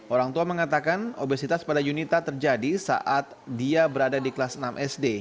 orang tua mengatakan obesitas pada yunita terjadi saat dia berada di kelas enam sd